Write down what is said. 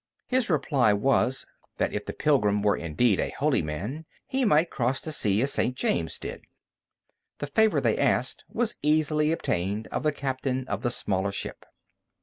His reply was, that if the pilgrim were indeed a holy man, he might cross the sea as St. James did. The favor they asked was easily obtained of the captain of the smaller ship.